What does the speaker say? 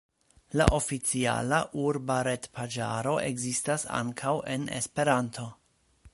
La oficiala urba retpaĝaro ekzistas ankaŭ en Esperanto.